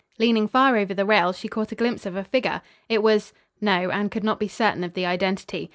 Leaning far over the rail she caught a glimpse of a figure. It was no, Anne could not be certain of the identity.